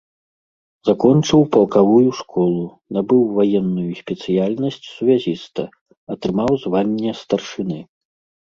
Закончыў палкавую школу, набыў ваенную спецыяльнасць сувязіста, атрымаў званне старшыны.